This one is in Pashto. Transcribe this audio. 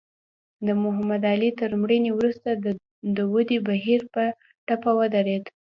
د محمد علي تر مړینې وروسته د ودې بهیر په ټپه ودرېد.